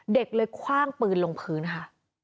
เด็กเลยคว่างปืนลงพื้นค่ะ